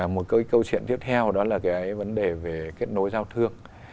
một cái câu chuyện tiếp theo đó là cái vấn đề về kết nối giao thương